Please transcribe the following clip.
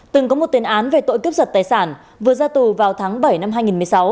từng có một tiền án về tội cướp giật tài sản vừa ra tù vào tháng bảy năm hai nghìn một mươi sáu